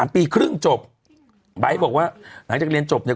ปีครึ่งจบไบท์บอกว่าหลังจากเรียนจบเนี่ย